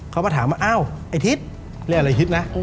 เขามาถามว่าเอ้าไอ้ทิศเรียกอะไรไอ้ทิศนะ